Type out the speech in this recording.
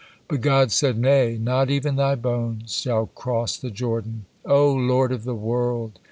But God said, "Nay, not even thy bones shall cross the Jordan." "O Lord of the world!"